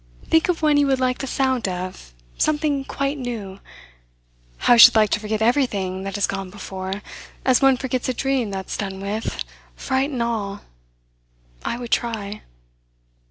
Think of one you would like the sound of something quite new. How I should like to forget everything that has gone before, as one forgets a dream that's done with, fright and all! I would try."